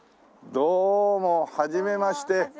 どうもはじめまして。